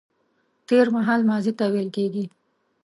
تېرمهال ماضي ته ويل کيږي